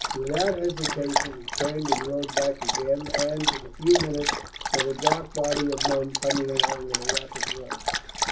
Without hesitation he turned and rode back again and, in a few minutes, met a dark body of men coming along at a rapid run.